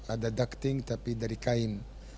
ada ducting tapi dari kain